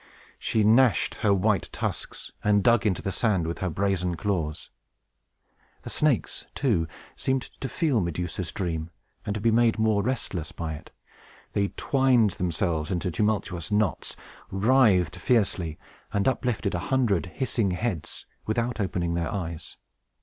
She gnashed her white tusks, and dug into the sand with her brazen claws. The snakes, too, seemed to feel Medusa's dream, and to be made more restless by it. They twined themselves into tumultuous knots, writhed fiercely, and uplifted a hundred hissing heads, without opening their eyes.